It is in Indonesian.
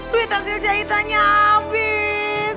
duit hasil jahitannya habis